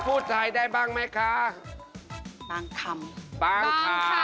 คุณไปคิดคุณไปดูคุณไปดู